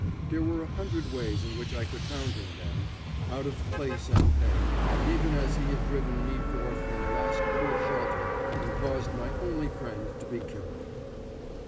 There were a hundred ways in which I could hound him then, out of place and pay, even as he had driven me forth from the last poor shelter and caused my only friend to be killed.